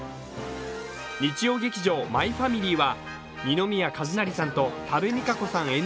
日曜劇場「マイファミリー」は二宮和也さんと多部未華子さん